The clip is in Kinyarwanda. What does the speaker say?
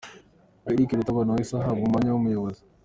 Eric Rutabana wahise ahabwa umwanya w’ubuyobozi.